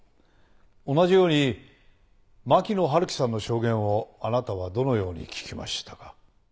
同じように牧野春樹さんの証言をあなたはどのように聞きましたか？